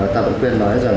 ta vẫn quên nói rằng